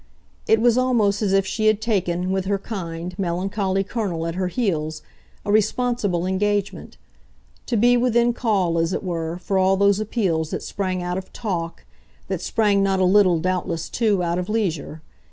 It was almost as if she had taken, with her kind, melancholy Colonel at her heels, a responsible engagement; to be within call, as it were, for all those appeals that sprang out of talk, that sprang not a little, doubtless too, out of leisure.